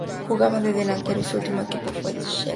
Jugaba de delantero y su último equipo fue el Sheffield United.